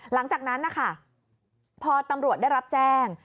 หลังจากนั้นนะคะพอตำรวจได้รับแจ้ง